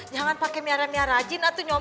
jangan pake miara miara jin